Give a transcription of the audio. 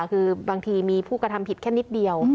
คือบางทีมีผู้กระทำผิดแค่นิดเดียว